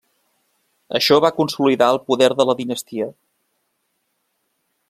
Això va consolidar el poder de la dinastia.